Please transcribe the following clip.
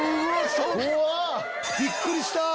びっくりした！